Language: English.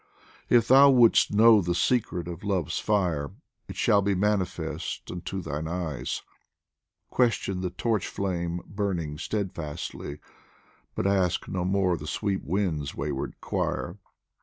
If thou would' st know the secret of Love's fire, It shall be manifest unto thine eyes : Question the torch flame burning steadfastly, But ask no more the sweet wind's wayward choir.